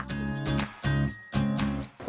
สมมุติว่าลงเดิน